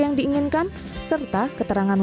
yang diinginkan serta keterangan